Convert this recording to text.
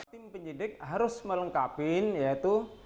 tim penyidik harus melengkapi yaitu